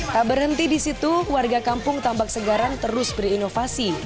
tak berhenti di situ warga kampung tambak segaran terus berinovasi